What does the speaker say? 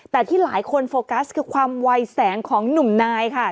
แต่ที่หลายคนโฟกัสคือความวัยแสงของหนุ่มนายค่ะ